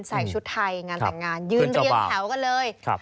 ใส่ชุดไทยงานแต่งงานยืนเรียงแถวกันเลย